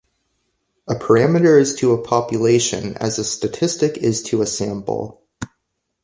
A parameter is to a population as a statistic is to a sample.